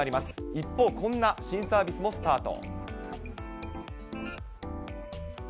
一方、こんな新サービスもスタート。